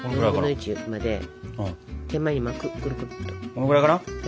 このぐらいかな。